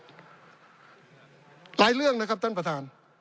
หลายเรื่องนะครับท่านประธาน